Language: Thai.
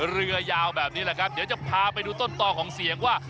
เรือยาวแบบนี้แหละครับเดี๋ยวจะพาไปดูต้นต่อของเสียงว่า